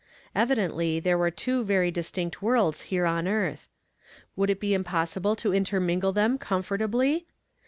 Evidently there were two very distinct worlds here on earth. Would it be impossible to intermingle them comfortably